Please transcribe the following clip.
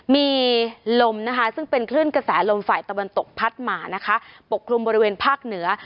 มีลมนะคะซึ่งเป็นคลื่นกระแสลมฝ่ายตะวันตกพัดมานะคะปกคลุมบริเวณภาคเหนือ